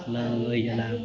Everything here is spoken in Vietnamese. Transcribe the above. là người nhà làng